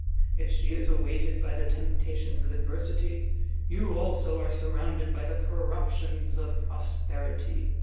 If she is awaited by the temptations of adversity, you, also, are surrounded by the corruptions of prosperity.